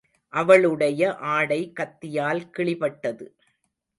அவளுடைய ஆடை கத்தியால் கிழிபட்டது.